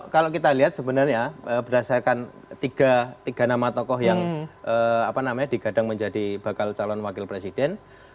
kalau kita lihat sebenarnya berdasarkan tiga nama tokoh yang digadang menjadi bakal calon wakil presiden